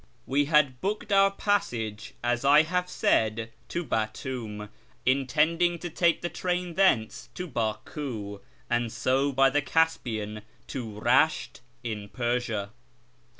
"VYe had booked our passage, as I have said, to Batoum, intending to take the train thence to Baku, and so by the Caspian to Kesht in Persia.